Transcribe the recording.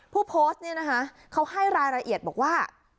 ผู้โพสต์เนี่ยนะคะเขาให้รายละเอียดบอกว่า